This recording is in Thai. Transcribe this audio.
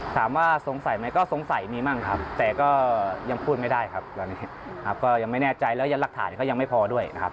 ถามว่าสงสัยไหมก็สงสัยมีมั่งครับแต่ก็ยังพูดไม่ได้ครับตอนนี้ครับก็ยังไม่แน่ใจแล้วยันหลักฐานก็ยังไม่พอด้วยนะครับ